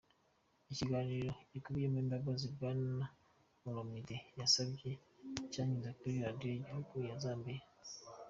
Ikiganiro gikubiyemo imbabazi Bwana Olomide yasabye cyanyuze kuri radio y'igihugu ya Zambia.